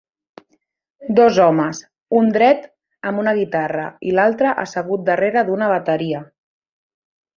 Dos homes: un dret amb una guitarra i l'altre assegut darrere d'una bateria.